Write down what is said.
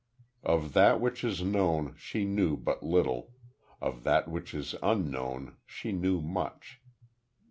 Of that which is known, she knew but little; of that which is unknown, she knew much.